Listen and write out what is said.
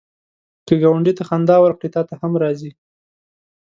که ګاونډي ته خندا ورکړې، تا ته هم راځي